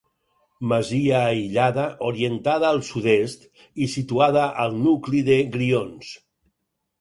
Masia aïllada, orientada al sud- est i situada al nucli de Grions.